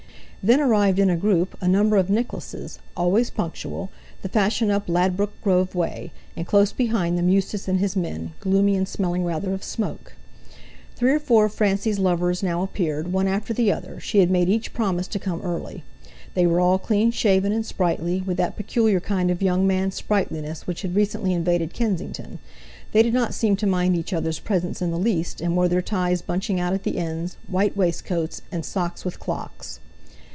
Then arrived in a group a number of Nicholases, always punctual—the fashion up Ladbroke Grove way; and close behind them Eustace and his men, gloomy and smelling rather of smoke. Three or four of Francie's lovers now appeared, one after the other; she had made each promise to come early. They were all clean shaven and sprightly, with that peculiar kind of young man sprightliness which had recently invaded Kensington; they did not seem to mind each other's presence in the least, and wore their ties bunching out at the ends, white waistcoats, and socks with clocks.